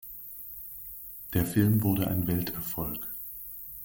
Der Film wurde ein Welterfolg.